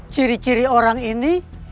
ciri ciri orang ini